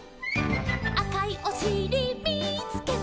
「あかいおしりみつけた」